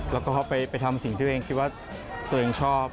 แล้วก็ไปทำสิ่งที่ตัวเองคิดว่าตัวเองชอบ